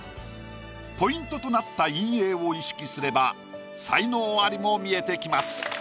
ポイントとなった陰影を意識すれば才能アリも見えてきます。